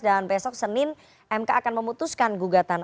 dan besok senin mk akan memutuskan gugatan